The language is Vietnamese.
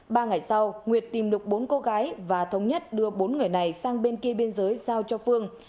ba ngày sau nguyệt tìm được bốn cô gái và thống nhất đưa bốn người này sang bên kia biên giới giao cho phương